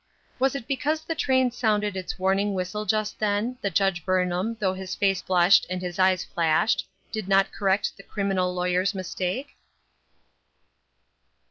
Was it because the train sounded its warning whistle just then, that Judge Burnham, though bis face flushed and his eyes flashed, did not correct the criminal lAwyer's mistake